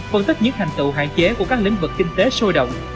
phân tích những thành tựu hạn chế của các lĩnh vực kinh tế sôi động